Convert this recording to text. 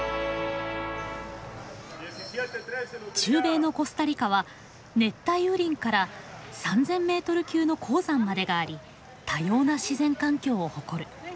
中米のコスタリカは熱帯雨林から３，０００メートル級の高山までがあり多様な自然環境を誇る。